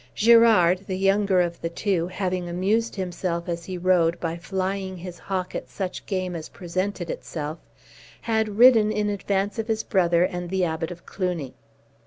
Girard, the younger of the two, having amused himself as he rode by flying his hawk at such game as presented itself, had ridden in advance of his brother and the Abbot of Cluny.